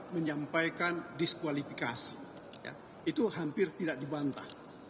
menyampaikan diskualifikasi itu hampir tidak dibantah